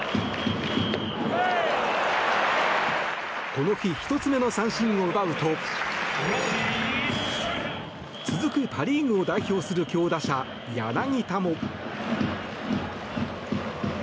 この日、１つ目の三振を奪うと続くパ・リーグを代表する強打者柳田も。